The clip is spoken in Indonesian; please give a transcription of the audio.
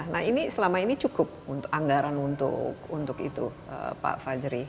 nah ini selama ini cukup untuk anggaran untuk itu pak fajri